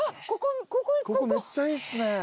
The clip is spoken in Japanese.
ここめっちゃいいっすね。